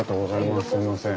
すいません。